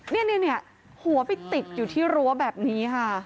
เนี่ยหัวไปติดอยู่ที่รั้วแบบนี้ค่ะ